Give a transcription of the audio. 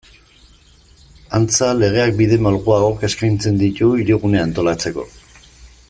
Antza, legeak bide malguagoak eskaintzen ditu Hirigunea antolatzeko.